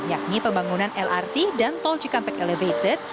yakni pembangunan lrt dan tol cikampek elevated